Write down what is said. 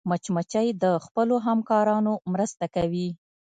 مچمچۍ د خپلو همکارانو مرسته کوي